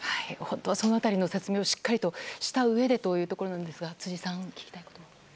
その辺りの説明をしっかりしたうえでというところですが辻さん、聞きたいことは？